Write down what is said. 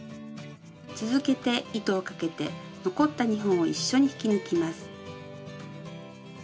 続けて糸をかけて残った２本を一緒に引き抜きます。